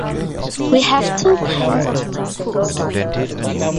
We have two kinds of justice.